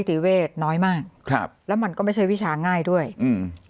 ติเวทน้อยมากครับแล้วมันก็ไม่ใช่วิชาง่ายด้วยอืม